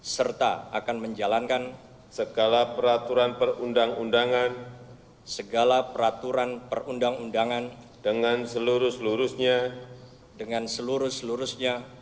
serta akan menjalankan segala peraturan perundang undangan dengan seluruh selurusnya